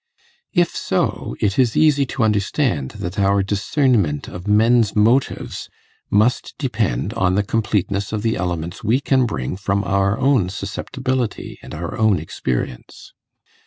If so, it is easy to understand that our discernment of men's motives must depend on the completeness of the elements we can bring from our own susceptibility and our own experience.